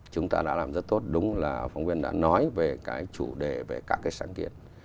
chúng ta đã làm rất tốt đúng là phóng viên đã nói về cái chủ đề về các cái sáng kiến